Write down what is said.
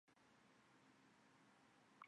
西汉末年右扶风平陵人。